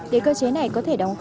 để cơ chế này có thể đồng hành